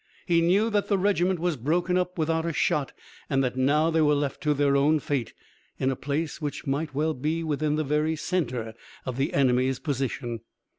He knew that the regiment was broken up without a shot and that now they were left to their own fate, in a place which might well be within the very centre of the enemy's position.